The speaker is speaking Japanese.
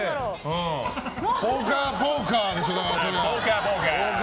ポーカーポーカーでしょうね。